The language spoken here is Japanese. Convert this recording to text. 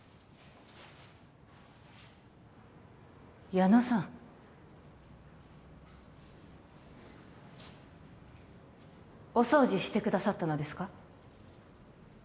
矢野さんお掃除してくださったのですか？